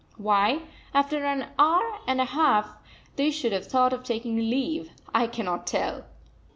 Why, after an hour and a half, they should have thought of taking leave, I cannot tell.